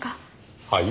はい。